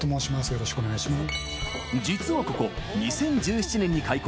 よろしくお願いします。